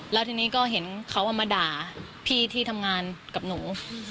แล้วทีนี้ก็เห็นเขาเอามาด่าพี่ที่ทำงานกับหนู